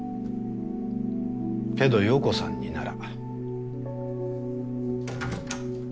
けど陽子さんになら。